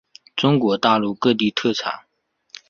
中国大陆各地均产。